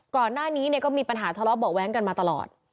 ก่อนหน้านี้ก็มีปัญหาทะเลาะเบาะแว้งกันมาตลอด